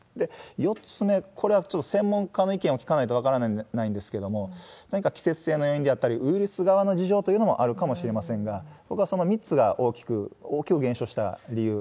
４つ目、これはちょっと専門家の意見を聞かないと分からないんですけれども、何か季節性の遠因であったり、ウイルス側の事情というのもあるかもしれませんが、僕はその３つが大きく、大きく減少した理由。